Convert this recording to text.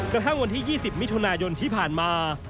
กระทั่งวันที่๒๐มิถุนายนที่ผ่านมา